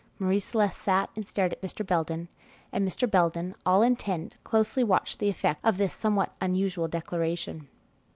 Marie Celeste sat and stared at Mr. Belden, and Mr. Belden, all intent, closely watched the effect of this somewhat unusual declaration.